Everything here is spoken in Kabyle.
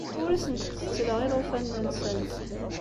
Ur asent-ttettleɣ ilufanen-nsent.